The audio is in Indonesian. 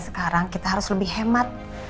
sekarang kita harus lebih hemat